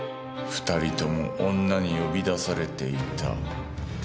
２人とも女に呼び出されていたか。